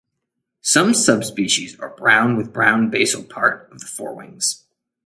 Some subspecies are brown with brown basal part of the forewings.